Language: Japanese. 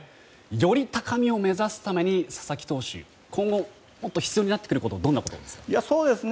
より高みを目指すために佐々木投手、今後もっと必要になってくることはどんなことですか？